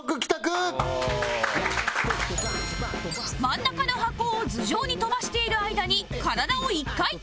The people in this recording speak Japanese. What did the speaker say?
真ん中の箱を頭上に飛ばしている間に体を１回転